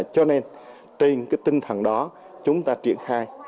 cho nên trên cái tinh thần đó chúng ta triển khai